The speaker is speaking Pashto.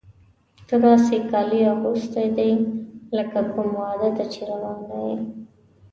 تا داسې کالي اغوستي دي لکه کوم واده ته چې روانه یې.